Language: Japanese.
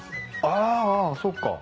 あそっか。